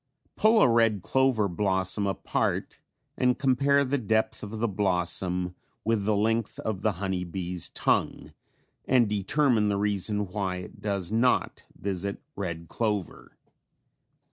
Pull a red clover blossom apart and compare the depth of the blossom with the length of the honey bee's tongue, and determine the reason why it does not visit red clover.